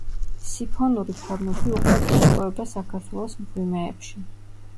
სიფონური ფორმები უხვად მოიპოვება საქართველოს მღვიმეებში.